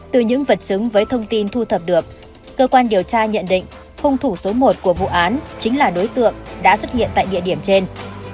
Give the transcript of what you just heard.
từ những vật chứng với thông tin thu thập được cơ quan điều tra nhận định hung thủ số một của vụ án chính là đối tượng đã xuất hiện tại địa điểm trên